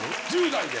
１０代で。